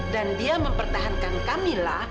dan dia mempertahankan kamila